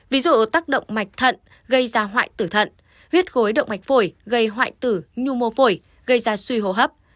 ví dụ tắc động mạch thận gây ra hoại tử thận huyết gối động mạch phổi gây hoại tử nhu mô phổi gây ra suy hô hấp